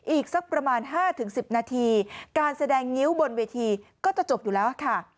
อีกสักประมาณ๕๑๐นาทีการแสดงงิ้วบนเวทีก็จะจบอยู่แล้วค่ะ